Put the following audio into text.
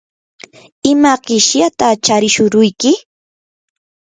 ¿ima qishyataq charishuruyki?